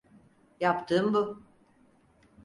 Yaptığım bu.